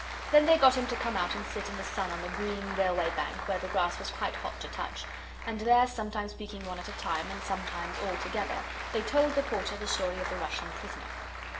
Then they got him to come out and sit in the sun on the green Railway Bank, where the grass was quite hot to touch, and there, sometimes speaking one at a time, and sometimes all together, they told the Porter the story of the Russian Prisoner.